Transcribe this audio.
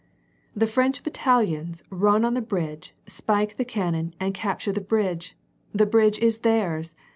"The French battalions run on the bridge, spike the cannon, and capture the bridge ! the bridge is theirs